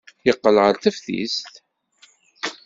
Yeqqel ɣer teftist.